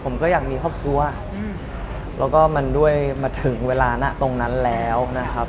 ผมก็อยากมีครอบครัวแล้วก็มันด้วยมาถึงเวลานะตรงนั้นแล้วนะครับ